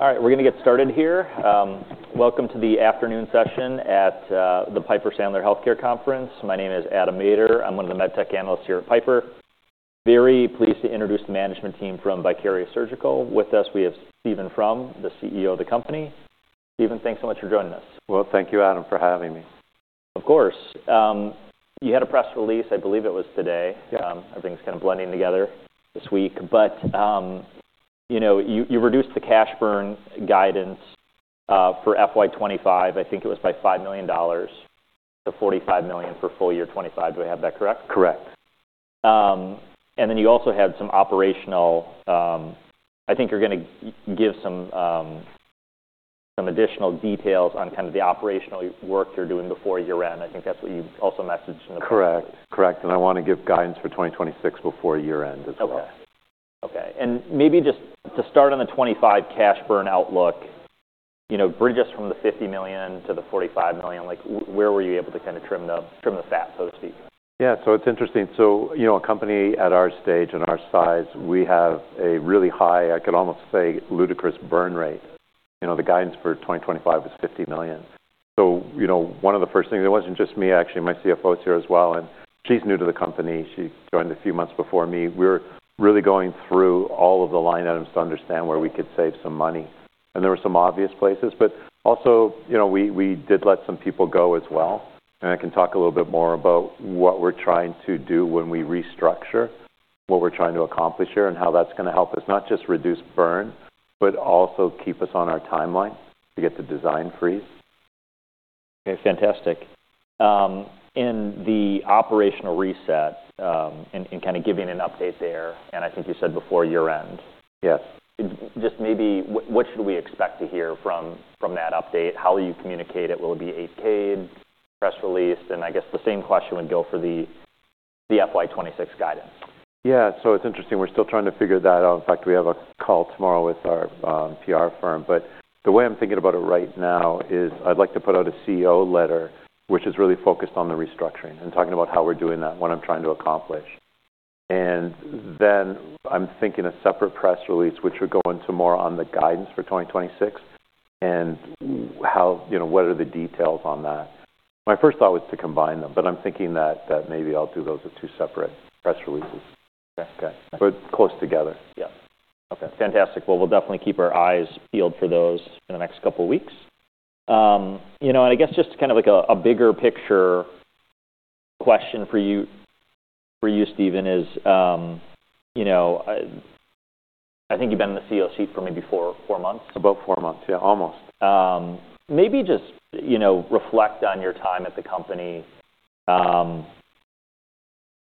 All right, we're going to get started here. Welcome to the afternoon session at the Piper Sandler Healthcare Conference. My name is Adam Maeder. I'm one of the med tech analysts here at Piper. Very pleased to introduce the management team from Vicarious Surgical. With us, we have Stephen From, the CEO of the company. Stephen, thanks so much for joining us. Thank you, Adam, for having me. Of course. You had a press release, I believe it was today. Yeah. Everything's kind of blending together this week. But, you know, you reduced the cash burn guidance for FY 2025. I think it was by $5 million to $45 million for full year 2025. Do I have that correct? Correct. And then you also had some operational. I think you're going to give some additional details on kind of the operational work you're doing before year-end. I think that's what you also messaged in the. Correct. Correct. And I want to give guidance for 2026 before year-end as well. Okay. Okay. And maybe just to start on the 2025 cash burn outlook, you know, bridges from the $50 million to the $45 million, like, where were you able to kind of trim the fat, so to speak? Yeah. So it's interesting. So, you know, a company at our stage and our size, we have a really high, I could almost say, ludicrous burn rate. You know, the guidance for 2025 was $50 million. So, you know, one of the first things, it wasn't just me, actually, my CFO's here as well, and she's new to the company. She joined a few months before me. We were really going through all of the line items to understand where we could save some money. And there were some obvious places. But also, you know, we did let some people go as well. And I can talk a little bit more about what we're trying to do when we restructure, what we're trying to accomplish here, and how that's going to help us not just reduce burn, but also keep us on our timeline to get the design freeze. Okay. Fantastic. In the operational reset, and, and kind of giving an update there, and I think you said before year-end. Yes. Just maybe what should we expect to hear from that update? How will you communicate it? Will it be 8-K'd, press release? And I guess the same question would go for the FY 2026 guidance. Yeah. So it's interesting. We're still trying to figure that out. In fact, we have a call tomorrow with our PR firm. But the way I'm thinking about it right now is I'd like to put out a CEO letter, which is really focused on the restructuring and talking about how we're doing that, what I'm trying to accomplish. And then I'm thinking a separate press release, which would go into more on the guidance for 2026 and how, you know, what are the details on that. My first thought was to combine them, but I'm thinking that maybe I'll do those as two separate press releases. Okay. But close together. Yeah. Okay. Fantastic. Well, we'll definitely keep our eyes peeled for those in the next couple of weeks, you know, and I guess just kind of like a bigger picture question for you, Stephen, is, you know, I think you've been the CEO for maybe four months. About four months. Yeah, almost. Maybe just, you know, reflect on your time at the company.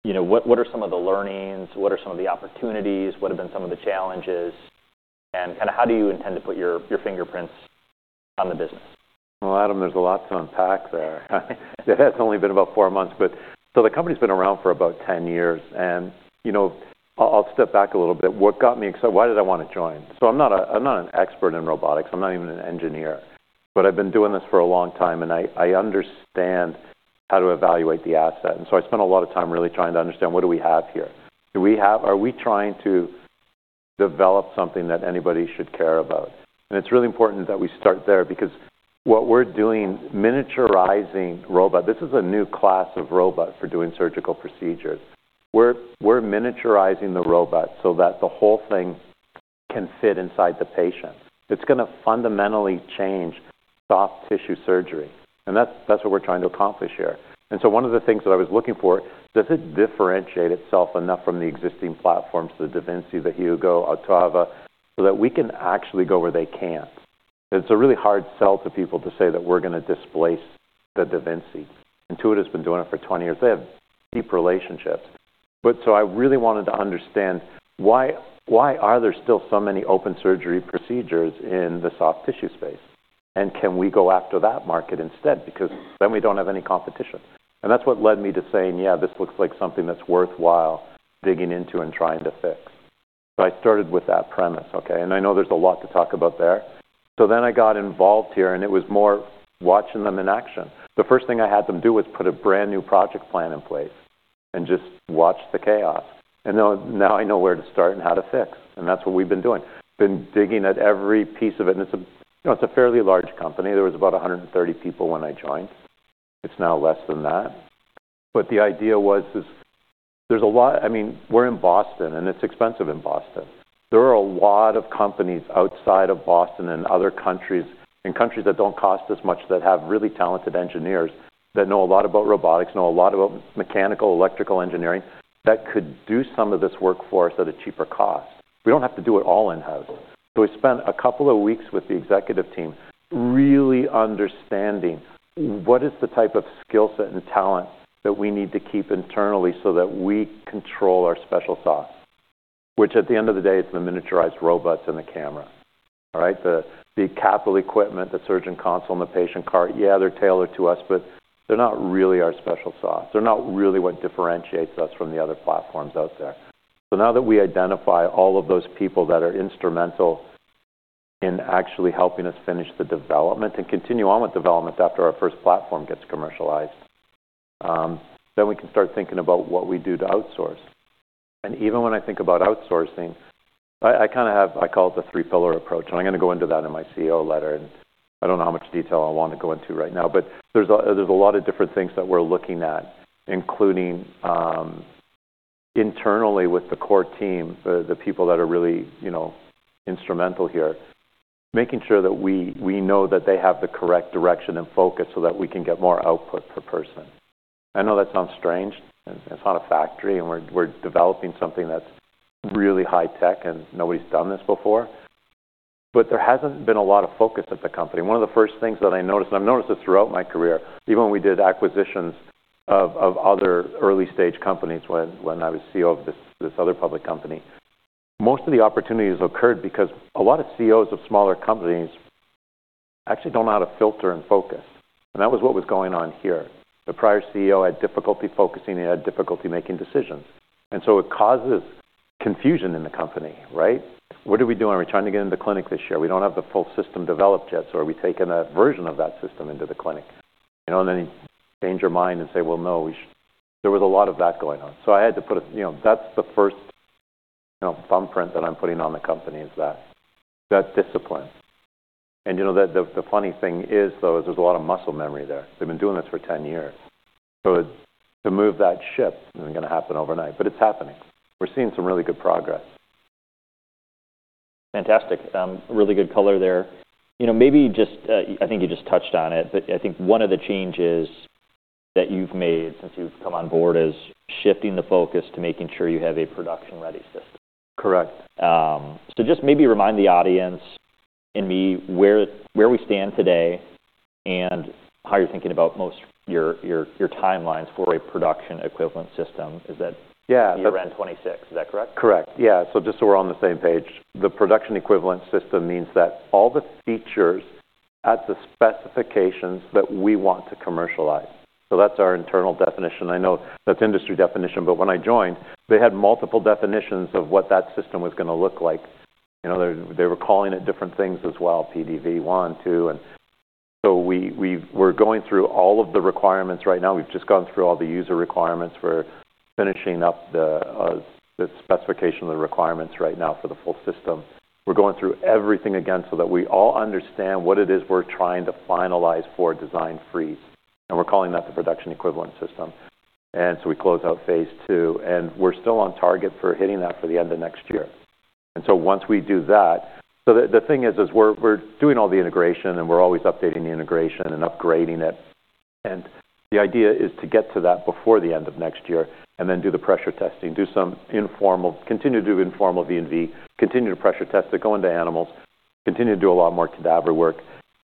You know, what are some of the learnings? What are some of the opportunities? What have been some of the challenges, and kind of how do you intend to put your fingerprints on the business? Adam, there's a lot to unpack there. It has only been about four months. The company's been around for about 10 years. You know, I'll step back a little bit. What got me excited? Why did I join? I'm not an expert in robotics. I'm not even an engineer. I've been doing this for a long time, and I understand how to evaluate the asset. I spent a lot of time really trying to understand what do we have here. Do we have, are we trying to develop something that anybody should care about? It's really important that we start there because what we're doing, miniaturizing robot, this is a new class of robot for doing surgical procedures. We're miniaturizing the robot so that the whole thing can fit inside the patient. It's going to fundamentally change soft tissue surgery. And that's, that's what we're trying to accomplish here. And so one of the things that I was looking for, does it differentiate itself enough from the existing platforms, the da Vinci, the Hugo, OTTAVA, so that we can actually go where they can't? It's a really hard sell to people to say that we're going to displace the da Vinci. Intuitive has been doing it for 20 years. They have deep relationships. But so I really wanted to understand why, why are there still so many open surgery procedures in the soft tissue space? And can we go after that market instead? Because then we don't have any competition. And that's what led me to saying, yeah, this looks like something that's worthwhile digging into and trying to fix. So I started with that premise, okay? I know there's a lot to talk about there. Then I got involved here, and it was more watching them in action. The first thing I had them do was put a brand new project plan in place and just watch the chaos. Now I know where to start and how to fix. That's what we've been doing. Been digging at every piece of it. It's a, you know, it's a fairly large company. There was about 130 people when I joined. It's now less than that. The idea was, is there's a lot, I mean, we're in Boston, and it's expensive in Boston. There are a lot of companies outside of Boston and other countries, and countries that don't cost as much, that have really talented engineers that know a lot about robotics, know a lot about mechanical, electrical engineering, that could do some of this work for us at a cheaper cost. We don't have to do it all in-house, so we spent a couple of weeks with the executive team really understanding what is the type of skill set and talent that we need to keep internally so that we control our special sauce, which at the end of the day, it's the miniaturized robots and the camera, all right? The capital equipment, the surgeon console, and the patient cart. Yeah, they're tailored to us, but they're not really our special sauce. They're not really what differentiates us from the other platforms out there. So now that we identify all of those people that are instrumental in actually helping us finish the development and continue on with development after our first platform gets commercialized, then we can start thinking about what we do to outsource. And even when I think about outsourcing, I kind of have. I call it the three-pillar approach. And I'm going to go into that in my CEO letter. And I don't know how much detail I want to go into right now. But there's a lot of different things that we're looking at, including internally with the core team, the people that are really, you know, instrumental here, making sure that we know that they have the correct direction and focus so that we can get more output per person. I know that sounds strange. It's not a factory, and we're developing something that's really high-tech, and nobody's done this before. But there hasn't been a lot of focus at the company. One of the first things that I noticed, and I've noticed this throughout my career, even when we did acquisitions of other early-stage companies when I was CEO of this other public company, most of the opportunities occurred because a lot of CEOs of smaller companies actually don't know how to filter and focus, and that was what was going on here. The prior CEO had difficulty focusing. He had difficulty making decisions, and so it causes confusion in the company, right? What are we doing? Are we trying to get into clinic this year? We don't have the full system developed yet, so are we taking a version of that system into the clinic? You know, and then you change your mind and say, well, no, we should. There was a lot of that going on. So I had to put, you know, that's the first, you know, thumbprint that I'm putting on the company is that discipline. And, you know, the funny thing is, though, there's a lot of muscle memory there. They've been doing this for 10 years. So to move that ship isn't going to happen overnight, but it's happening. We're seeing some really good progress. Fantastic. Really good color there. You know, maybe just, I think you just touched on it, but I think one of the changes that you've made since you've come on board is shifting the focus to making sure you have a production-ready system. Correct. Just maybe remind the audience and me where we stand today and how you're thinking about most your timelines for a production-equivalent system. Is that. Yeah. For end 2026? Is that correct? Correct. Yeah, so just so we're on the same page, the production-equivalent system means that all the features at the specifications that we want to commercialize, so that's our internal definition. I know that's industry definition, but when I joined, they had multiple definitions of what that system was going to look like. You know, they were calling it different things as well, PDV1, PDV2. And so we were going through all of the requirements right now. We've just gone through all the user requirements for finishing up the specification of the requirements right now for the full system. We're going through everything again so that we all understand what it is we're trying to finalize for design freeze, and we're calling that the production-equivalent system. And so we close out phase II. And we're still on target for hitting that for the end of next year. So once we do that, the thing is, we're doing all the integration, and we're always updating the integration and upgrading it. The idea is to get to that before the end of next year and then do the pressure testing, do some informal, continue to do informal V&V, continue to pressure test it, go into animals, continue to do a lot more cadaver work,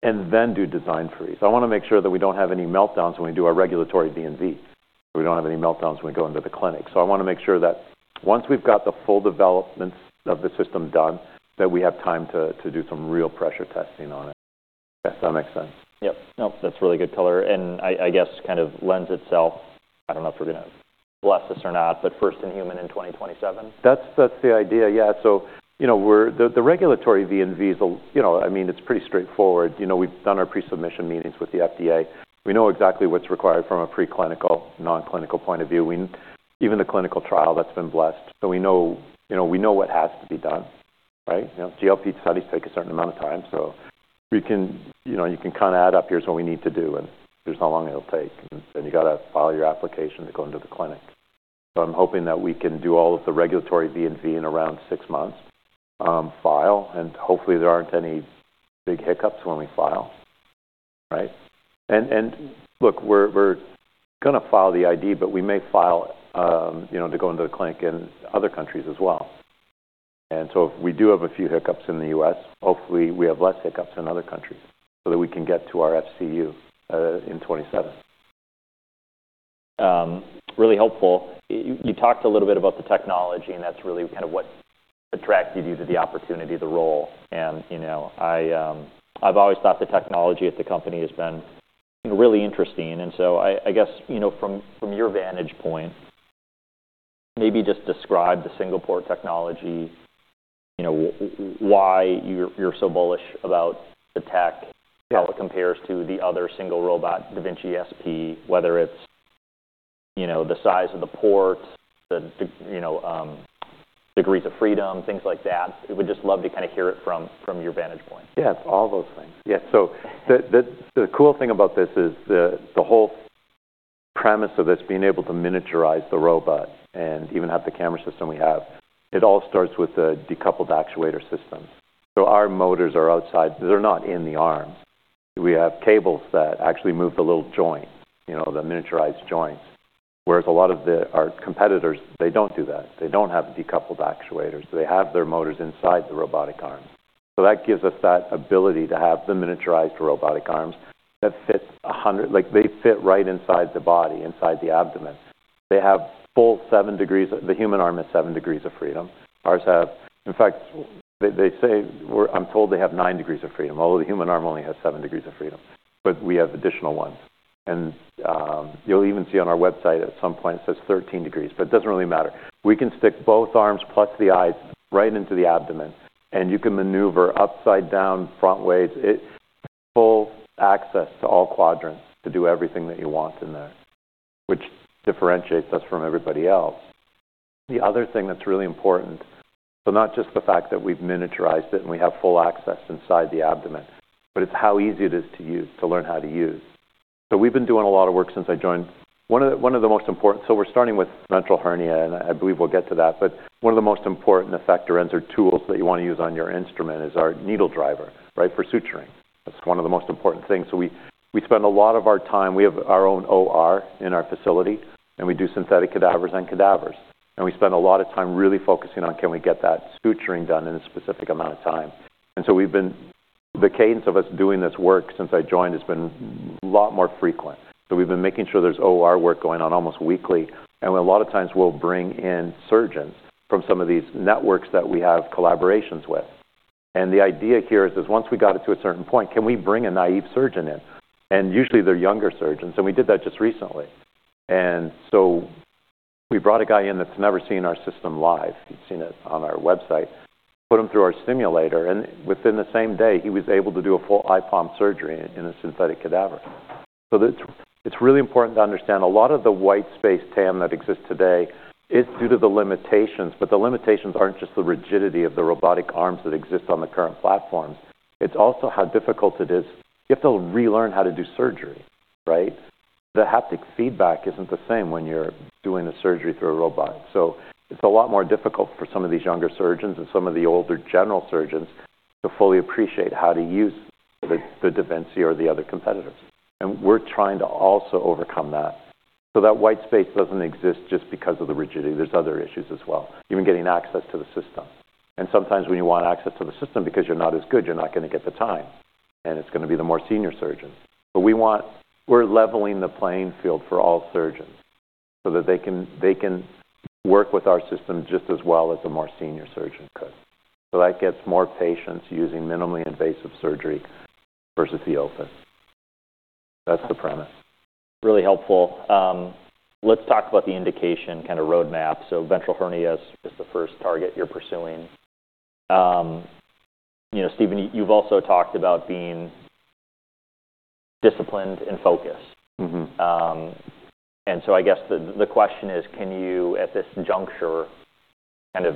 and then do design freeze. I want to make sure that we don't have any meltdowns when we do our regulatory V&V. We don't have any meltdowns when we go into the clinic. I want to make sure that once we've got the full development of the system done, that we have time to do some real pressure testing on it. Yes, that makes sense. Yep. No, that's really good color. And I, I guess kind of lends itself. I don't know if you're going to bless us or not, but first in human in 2027. That's the idea. Yeah. So, you know, the regulatory V&V is, you know, I mean, it's pretty straightforward. You know, we've done our pre-submission meetings with the FDA. We know exactly what's required from a preclinical, non-clinical point of view. We even the clinical trial that's been blessed. So we know, you know, we know what has to be done, right? You know, GLP studies take a certain amount of time. So we can, you know, you can kind of add up, here's what we need to do, and here's how long it'll take. And then you got to file your application to go into the clinic. So I'm hoping that we can do all of the regulatory V&V in around six months, file. And hopefully, there aren't any big hiccups when we file, right? Look, we're going to file the IDE, but we may file, you know, to go into the clinic in other countries as well. So if we do have a few hiccups in the U.S., hopefully we have less hiccups in other countries so that we can get to our FCU in 2027. Really helpful. You talked a little bit about the technology, and that's really kind of what attracted you to the opportunity, the role. You know, I, I've always thought the technology at the company has been really interesting. So I guess, you know, from your vantage point, maybe just describe the single-port technology, you know, why you're so bullish about the tech. Yeah. How it compares to the other single-robot da Vinci SP, whether it's, you know, the size of the port, the, you know, degrees of freedom, things like that. We'd just love to kind of hear it from your vantage point. Yeah. All those things. Yeah. So the cool thing about this is the whole premise of this being able to miniaturize the robot and even have the camera system we have. It all starts with a decoupled actuator system. So our motors are outside. They're not in the arms. We have cables that actually move the little joints, you know, the miniaturized joints. Whereas a lot of our competitors, they don't do that. They don't have decoupled actuators. They have their motors inside the robotic arm. So that gives us that ability to have the miniaturized robotic arms that fit in, like they fit right inside the body, inside the abdomen. They have full seven degrees. The human arm has seven degrees of freedom. Ours have, in fact, they say, I'm told they have nine degrees of freedom, although the human arm only has seven degrees of freedom. But we have additional ones. You'll even see on our website at some point it says 13 degrees, but it doesn't really matter. We can stick both arms plus the eyes right into the abdomen, and you can maneuver upside down, front ways. It has full access to all quadrants to do everything that you want in there, which differentiates us from everybody else. The other thing that's really important, so not just the fact that we've miniaturized it and we have full access inside the abdomen, but it's how easy it is to use, to learn how to use. So we've been doing a lot of work since I joined. One of the most important, so we're starting with ventral hernia, and I believe we'll get to that. But one of the most important end effectors or tools that you want to use on your instrument is our needle driver, right, for suturing. That's one of the most important things. So we spend a lot of our time, we have our own OR in our facility, and we do synthetic cadavers and cadavers. And we spend a lot of time really focusing on, can we get that suturing done in a specific amount of time? And so the cadence of us doing this work since I joined has been a lot more frequent. So we've been making sure there's OR work going on almost weekly. And a lot of times we'll bring in surgeons from some of these networks that we have collaborations with. And the idea here is once we got it to a certain point, can we bring a naive surgeon in? And usually they're younger surgeons. And we did that just recently. And so we brought a guy in that's never seen our system live. He's seen it on our website, put him through our simulator, and within the same day, he was able to do a full IPOM surgery in a synthetic cadaver. So it's really important to understand a lot of the white space TAM that exists today is due to the limitations, but the limitations aren't just the rigidity of the robotic arms that exist on the current platforms. It's also how difficult it is. You have to relearn how to do surgery, right? The haptic feedback isn't the same when you're doing a surgery through a robot. It's a lot more difficult for some of these younger surgeons and some of the older general surgeons to fully appreciate how to use the da Vinci or the other competitors. We're trying to also overcome that. That white space doesn't exist just because of the rigidity. There are other issues as well, even getting access to the system. Sometimes when you want access to the system because you're not as good, you're not going to get the time. It's going to be the more senior surgeons. We want, we're leveling the playing field for all surgeons so that they can, they can work with our system just as well as a more senior surgeon could. That gets more patients using minimally invasive surgery versus the open. That's the premise. Really helpful. Let's talk about the indication kind of roadmap. So ventral hernia is the first target you're pursuing. You know, Stephen, you've also talked about being disciplined and focused. Mm-hmm. And so I guess the question is, can you at this juncture kind of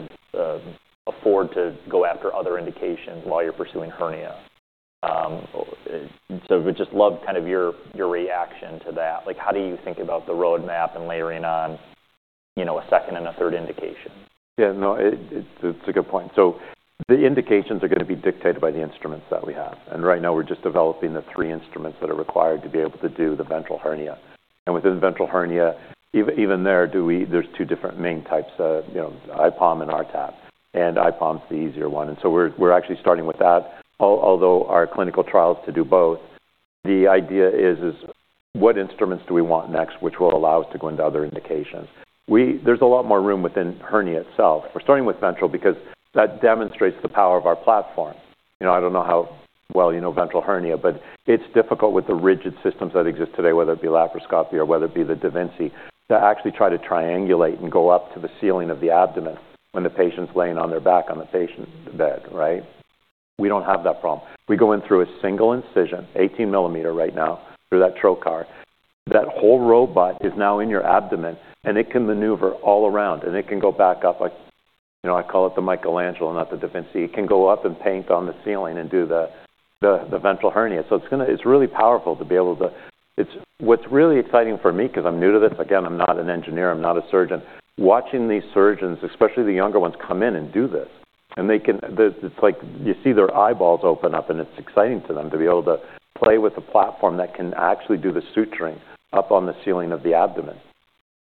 afford to go after other indications while you're pursuing hernia? So we'd just love kind of your reaction to that. Like, how do you think about the roadmap and layering on, you know, a second and a third indication? Yeah. No, it's a good point, so the indications are going to be dictated by the instruments that we have, and right now we're just developing the three instruments that are required to be able to do the ventral hernia. Within ventral hernia, even there, there's two different main types, you know, IPOM and rTAPP. IPOM is the easier one, so we're actually starting with that. Although our clinical trial is to do both, the idea is what instruments do we want next, which will allow us to go into other indications? There's a lot more room within hernia itself. We're starting with ventral because that demonstrates the power of our platform. You know, I don't know how well, you know, ventral hernia, but it's difficult with the rigid systems that exist today, whether it be laparoscopy or whether it be the da Vinci, to actually try to triangulate and go up to the ceiling of the abdomen when the patient's laying on their back on the patient bed, right? We don't have that problem. We go in through a single incision, 18 mm right now, through that trocar. That whole robot is now in your abdomen, and it can maneuver all around, and it can go back up. You know, I call it the Michelangelo, not the da Vinci. It can go up and paint on the ceiling and do the ventral hernia. So it's going to, it's really powerful to be able to, it's what's really exciting for me because I'm new to this. Again, I'm not an engineer. I'm not a surgeon. Watching these surgeons, especially the younger ones, come in and do this, and they can, it's like you see their eyeballs open up, and it's exciting to them to be able to play with the platform that can actually do the suturing up on the ceiling of the abdomen,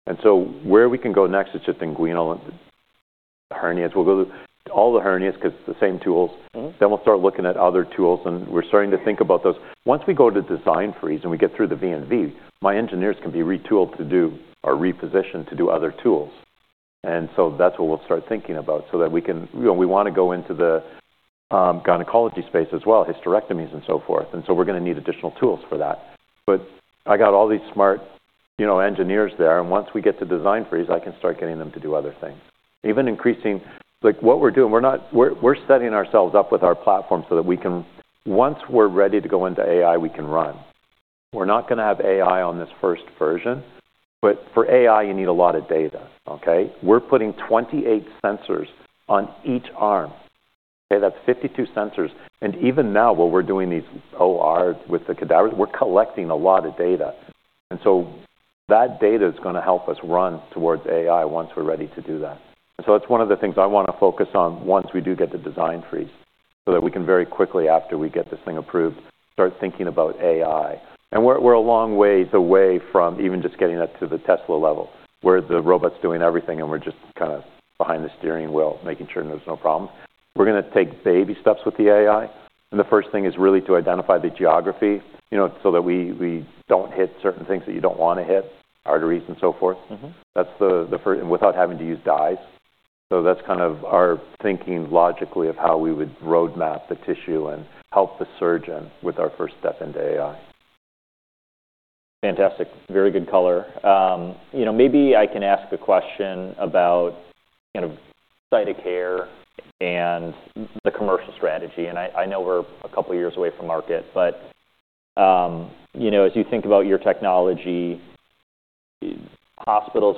and so where we can go next is just inguinal hernias. We'll go to all the hernias because it's the same tools. Then we'll start looking at other tools, and we're starting to think about those. Once we go to design freeze and we get through the V&V, my engineers can be retooled to do or repositioned to do other tools, and so that's what we'll start thinking about so that we can, you know, we want to go into the gynecology space as well, hysterectomies and so forth. We're going to need additional tools for that. I got all these smart, you know, engineers there. Once we get to design freeze, I can start getting them to do other things, even increasing, like what we're doing. We're not. We're setting ourselves up with our platform so that we can, once we're ready to go into AI, we can run. We're not going to have AI on this first version, but for AI, you need a lot of data, okay? We're putting 28 sensors on each arm. Okay? That's 52 sensors. Even now, while we're doing these ORs with the cadavers, we're collecting a lot of data. That data is going to help us run towards AI once we're ready to do that. And so that's one of the things I want to focus on once we do get the design freeze so that we can very quickly, after we get this thing approved, start thinking about AI. And we're a long way away from even just getting that to the Tesla level where the robot's doing everything and we're just kind of behind the steering wheel making sure there's no problems. We're going to take baby steps with the AI. And the first thing is really to identify the geography, you know, so that we don't hit certain things that you don't want to hit, arteries and so forth. That's the first, without having to use dyes. So that's kind of our thinking logically of how we would roadmap the tissue and help the surgeon with our first step into AI. Fantastic. Very good color. You know, maybe I can ask a question about kind of site of care and the commercial strategy. And I know we're a couple of years away from market, but, you know, as you think about your technology, hospitals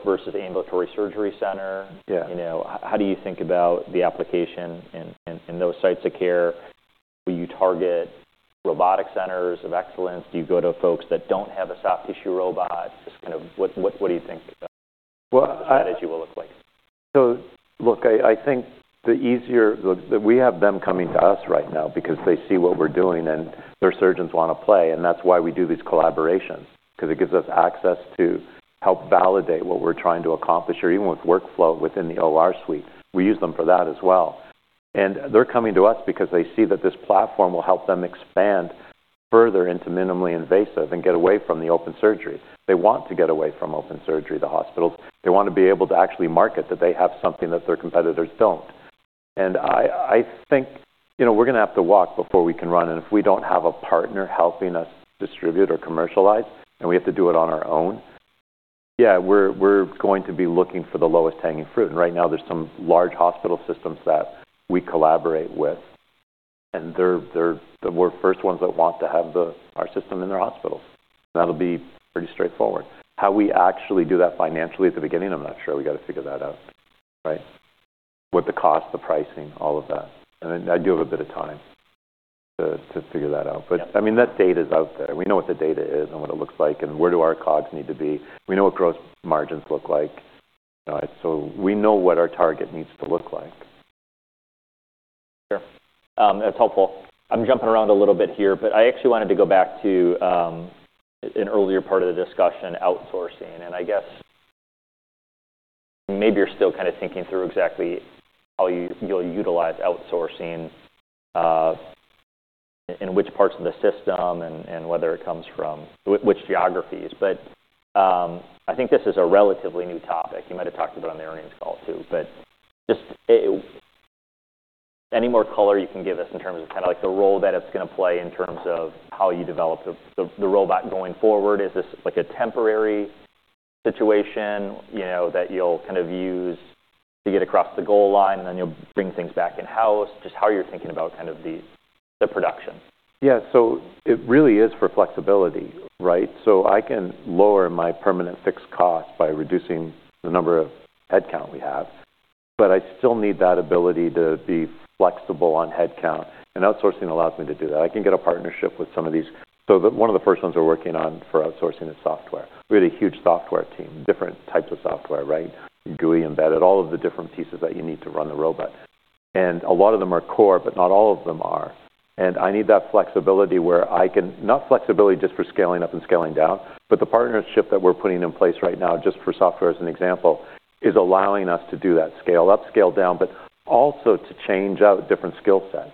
versus ambulatory surgery center. Yeah. You know, how do you think about the application in those sites of care? Will you target robotic centers of excellence? Do you go to folks that don't have a soft tissue robot? Just kind of what do you think that strategy will look like? So look, I think we have them coming to us right now because they see what we're doing and their surgeons want to play. And that's why we do these collaborations because it gives us access to help validate what we're trying to accomplish. Or even with workflow within the OR suite, we use them for that as well. And they're coming to us because they see that this platform will help them expand further into minimally invasive and get away from the open surgery. They want to get away from open surgery, the hospitals. They want to be able to actually market that they have something that their competitors don't. And I think, you know, we're going to have to walk before we can run. And if we don't have a partner helping us distribute or commercialize, and we have to do it on our own, yeah, we're going to be looking for the lowest hanging fruit. Right now there's some large hospital systems that we collaborate with, and they're the first ones that want to have our system in their hospitals. And that'll be pretty straightforward. How we actually do that financially at the beginning, I'm not sure. We got to figure that out, right? What the cost, the pricing, all of that. And I do have a bit of time to figure that out. But I mean, that data is out there. We know what the data is and what it looks like and where do our COGS need to be. We know what gross margins look like. So we know what our target needs to look like. Sure. That's helpful. I'm jumping around a little bit here, but I actually wanted to go back to an earlier part of the discussion, outsourcing. And I guess maybe you're still kind of thinking through exactly how you'll utilize outsourcing, in which parts of the system and whether it comes from which geographies. But I think this is a relatively new topic. You might have talked about it on the earnings call too, but just any more color you can give us in terms of kind of like the role that it's going to play in terms of how you develop the robot going forward. Is this like a temporary situation, you know, that you'll kind of use to get across the goal line and then you'll bring things back in-house? Just how are you thinking about kind of the production? Yeah, so it really is for flexibility, right? So I can lower my permanent fixed cost by reducing the number of headcount we have, but I still need that ability to be flexible on headcount, and outsourcing allows me to do that. I can get a partnership with some of these. So one of the first ones we're working on for outsourcing is software. We have a huge software team, different types of software, right? GUI, embedded, all of the different pieces that you need to run the robot. And a lot of them are core, but not all of them are. I need that flexibility where I can, not flexibility just for scaling up and scaling down, but the partnership that we're putting in place right now just for software as an example is allowing us to do that scale up, scale down, but also to change out different skill sets,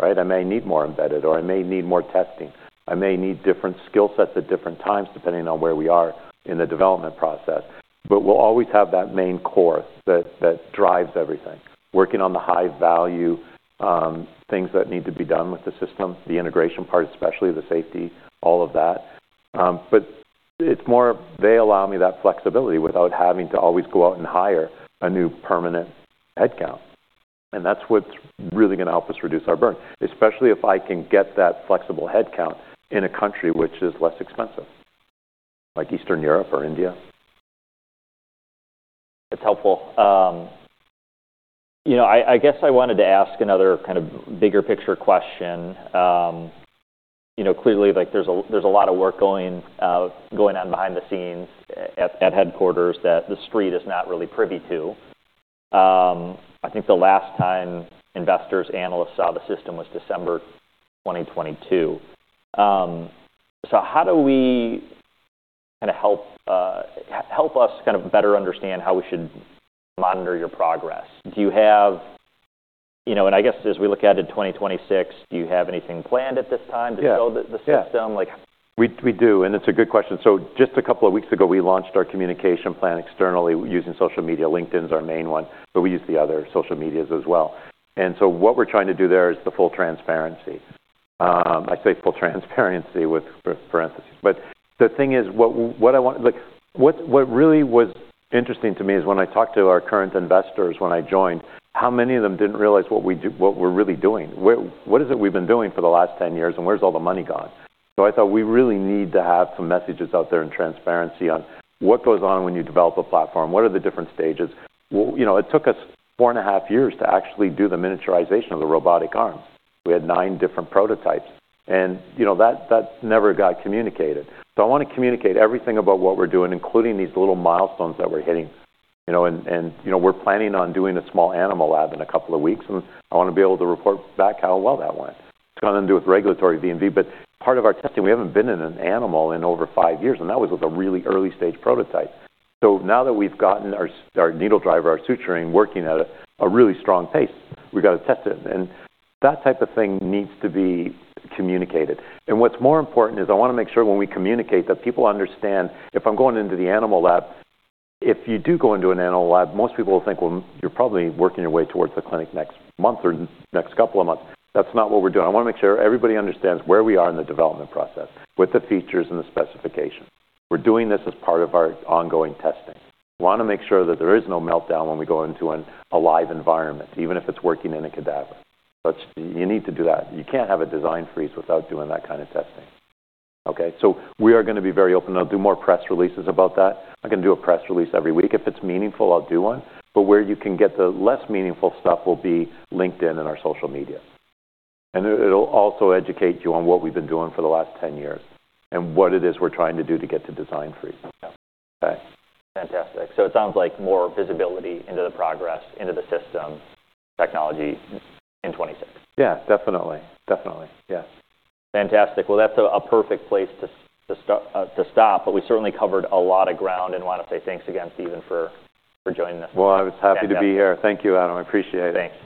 right? I may need more embedded or I may need more testing. I may need different skill sets at different times depending on where we are in the development process. But we'll always have that main core that drives everything. Working on the high value things that need to be done with the system, the integration part, especially the safety, all of that. But it's more they allow me that flexibility without having to always go out and hire a new permanent headcount. That's what's really going to help us reduce our burden, especially if I can get that flexible headcount in a country which is less expensive, like Eastern Europe or India. That's helpful. You know, I guess I wanted to ask another kind of bigger picture question. You know, clearly like there's a lot of work going on behind the scenes at headquarters that the street is not really privy to. I think the last time investors, analysts saw the system was December 2022, so how do we kind of help us kind of better understand how we should monitor your progress? Do you have, you know, and I guess as we look ahead to 2026, do you have anything planned at this time to show the system? Yeah. We do. And it's a good question. So just a couple of weeks ago, we launched our communication plan externally using social media. LinkedIn's our main one, but we use the other social medias as well. And so what we're trying to do there is the full transparency. I say full transparency with parentheses. But the thing is what I want, like what really was interesting to me is when I talked to our current investors when I joined, how many of them didn't realize what we do, what we're really doing? What is it we've been doing for the last 10 years and where's all the money gone? So I thought we really need to have some messages out there and transparency on what goes on when you develop a platform, what are the different stages. You know, it took us four and a half years to actually do the miniaturization of the robotic arms. We had nine different prototypes. And, you know, that never got communicated. So I want to communicate everything about what we're doing, including these little milestones that we're hitting, you know, and you know, we're planning on doing a small animal lab in a couple of weeks. And I want to be able to report back how well that went. It's got nothing to do with regulatory V&V, but part of our testing. We haven't been in an animal in over five years, and that was with a really early stage prototype. So now that we've gotten our needle driver, our suturing working at a really strong pace, we've got to test it. And that type of thing needs to be communicated. What's more important is I want to make sure when we communicate that people understand if I'm going into the animal lab, if you do go into an animal lab, most people will think, well, you're probably working your way towards the clinic next month or next couple of months. That's not what we're doing. I want to make sure everybody understands where we are in the development process with the features and the specification. We're doing this as part of our ongoing testing. We want to make sure that there is no meltdown when we go into an alive environment, even if it's working in a cadaver. You need to do that. You can't have a design freeze without doing that kind of testing. Okay? We are going to be very open. I'll do more press releases about that. I can do a press release every week. If it's meaningful, I'll do one. But where you can get the less meaningful stuff will be LinkedIn and our social media. And it'll also educate you on what we've been doing for the last 10 years and what it is we're trying to do to get to design freeze. Okay? Fantastic, so it sounds like more visibility into the progress, into the system technology in 2026. Yeah, definitely. Definitely. Yes. Fantastic. That's a perfect place to stop, but we certainly covered a lot of ground and want to say thanks again, Stephen, for joining us. I was happy to be here. Thank you, Adam. I appreciate it. Thanks.